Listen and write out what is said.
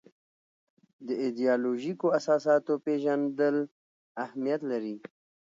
د ایدیالوژیکو اساساتو پېژندل اهمیت لري.